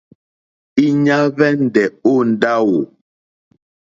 Íɲá hwɛ́ndɛ̀ ó ndáwò.